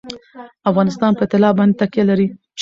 افغانستان په طلا باندې تکیه لري.